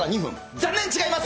残念、違います。